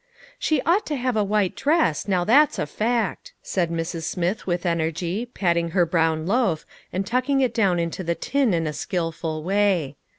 " She ought to have a white dress, now that's a fact," said Mrs. Smith with energy, patting her brown loaf, and tucking it down into the tin in a skilful way.